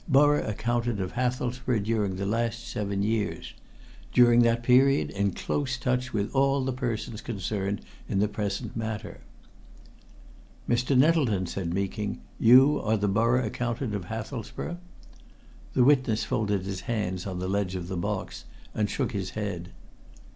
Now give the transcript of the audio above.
Borough Accountant of Hathelsborough during the last seven years. During that period in close touch with all the persons concerned in the present matter. "Mr. Nettleton," said Meeking, "you are Borough Accountant of Hathelsborough?" The witness folded his hands on the ledge of the box and shook his head.